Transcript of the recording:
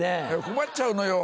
困っちゃうのよ